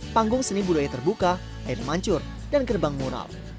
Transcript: panggung seni budaya terbuka air mancur dan gerbang mural